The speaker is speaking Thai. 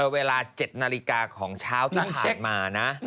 เวลา๗นาฬิกาของเช้าที่ผ่านมานะ